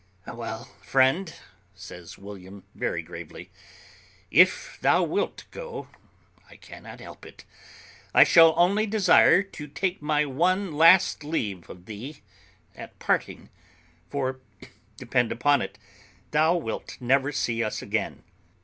"Well, friend," says William very gravely, "if thou wilt go I cannot help it; I shall only desire to take my last leave of thee at parting, for, depend upon it, thou wilt never see us again.